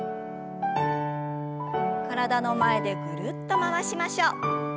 体の前でぐるっと回しましょう。